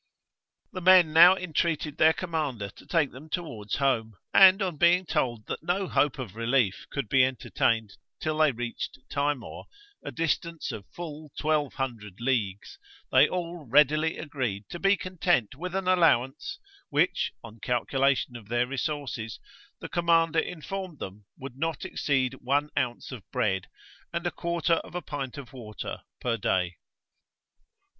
The men now intreated their commander to take them towards home; and on being told that no hope of relief could be entertained till they reached Timor, a distance of full twelve hundred leagues, they all readily agreed to be content with an allowance, which, on calculation of their resources, the commander informed them would not exceed one ounce of bread, and a quarter of a pint of water, per day.